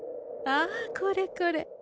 ああこれこれ。